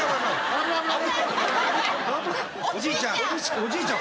おじいちゃん。